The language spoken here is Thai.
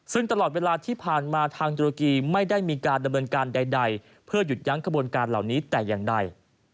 ซึ่งตลอดเวลาที่ผ่านมาทางตุรกีไม่ได้มีการดำเนินการใดเพื่อหยุดยั้งขบวนการเหล่านี้แต่อย่างใด